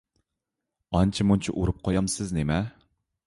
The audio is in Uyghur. ئانچە-مۇنچە ئۇرۇپ قويامسىز نېمە؟